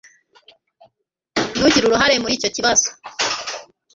ntugire uruhare muri icyo kibazo